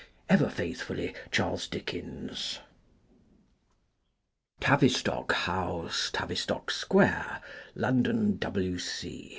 Ever faithfully, Charles Dickens. Tavistock House, Tavistock Square, London, W.C.